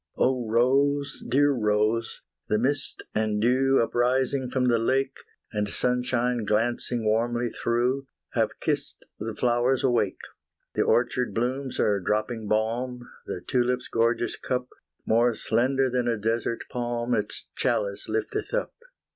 Oh Rose, dear Rose! the mist and dew Uprising from the lake, And sunshine glancing warmly through, Have kissed the flowers awake The orchard blooms are dropping balm, The tulip's gorgeous cup More slender than a desert palm It's chalice lifteth up.